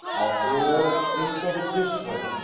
"After all, think of it this way.